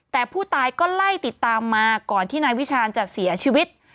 แต่ผู้ตายก็ไล่ติดตามมาก่อนที่นายวิชาณจะเสียชีวิต